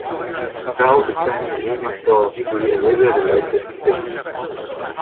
Pal became a movie star through a weather-related event.